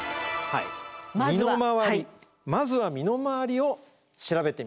身の回りまずは身の回りを調べてみましょうと。